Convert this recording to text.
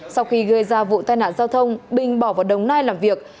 sau khi gây ra vụ tai nạn giao thông bình bỏ vào đồng nai làm việc